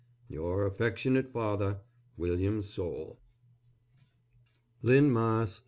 Your affectionate father, WILLIAM SOULE. LYNN, MASS.